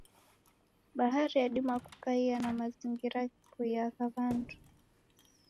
Bhari yadima kukaia na mazingira ghipoiagha wandu.